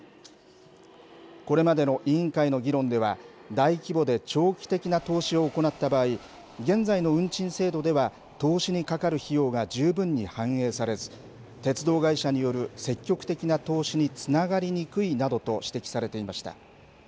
これまでの委員会の議論では、大規模で長期的な投資を行った場合、現在の運賃制度では投資にかかる費用が十分に反映されず、鉄道会社による積極的な投資につながりにくいなどと指摘されていました。